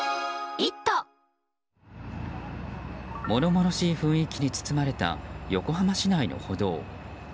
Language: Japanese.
物々しい雰囲気に包まれた横浜市内の歩道。